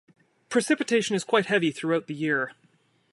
Precipitation is quite heavy throughout the year.